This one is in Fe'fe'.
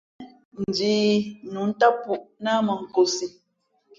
Tαʼ mᾱni síé njīī nǔ ntám pūʼ náh mᾱ nkōsī.